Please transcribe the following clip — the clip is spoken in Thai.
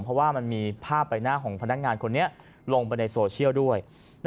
เพราะว่ามันมีภาพใบหน้าของพนักงานคนนี้ลงไปในโซเชียลด้วย